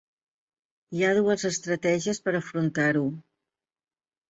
Hi ha dues estratègies per afrontar-ho.